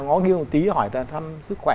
ngó nghiêng một tí hỏi thăm sức khỏe